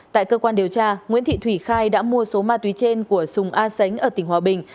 tại cơ quan điều tra nguyễn thị thủy khai đã mua số ma túy trên của sùng a sánh ở tỉnh hòa bình